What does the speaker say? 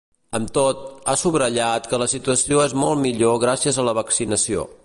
Amb tot, ha subratllat que la situació és molt millor gràcies a la vaccinació.